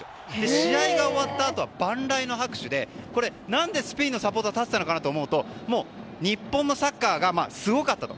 試合が終わったあとは万雷の拍手で何でスペインのサポーターが立っていたのかというと日本のサッカーがすごかったと。